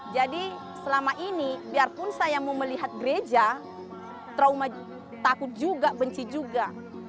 jadi selama ini biarpun saya mau melihat gereja trauma takut juga benci juga